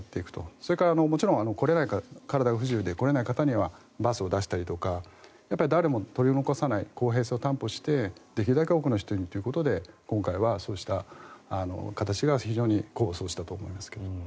それから、もちろん来れない方体が不自由で来れない方にはバスを出したりとか誰も取り残さない公平性を担保してできるだけ多くの人にということで今回のやり方が功を奏したと思います。